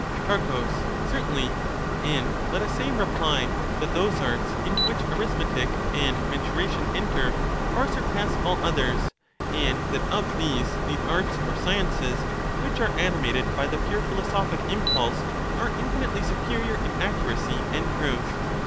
Pro. Certainly; and let us say in reply, that those arts The purer into which arithmetic and mensuration enter, far surpass ^^^°"" all others; and that of these the arts or sciences which those arts are animated by the pure philosophic impulse are infinitely '"'^ which superior in accuracy and truth.